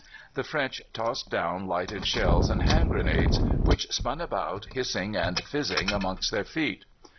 The French tossed down lighted shells and hand grenades, which spun about hissing and fizzing amongst their feet.